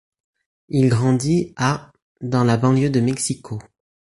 Il grandit à dans la banlieue de Mexico.